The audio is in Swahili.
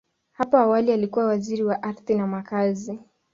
Hapo awali, alikuwa Waziri wa Ardhi na Makazi.